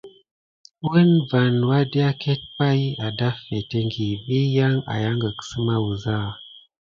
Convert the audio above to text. Woun van wadeket pay adaffetiŋgi vi yan ayangek səma wuza.